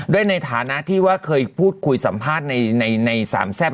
ในฐานะที่ว่าเคยพูดคุยสัมภาษณ์ในสามแซ่บ